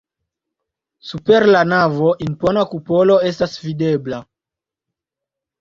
Super la navo impona kupolo estas videbla.